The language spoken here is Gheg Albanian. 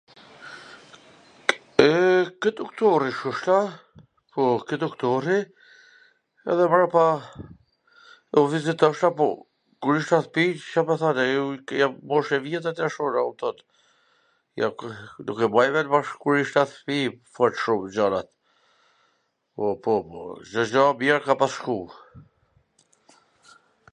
e, ke doktori shkosha, po ke doktori, edhe mbrapa u vizitojsha po kur isha fmij, Ca me than tani, jam mosh e vjetwr tash un, a kupton, nuk e mbaj mend mor kur isha fmij fort shum gjanat, po, po, po, Cdo gja mir ka pas shku